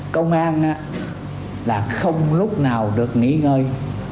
công an là không lúc nào được nghỉ ngơi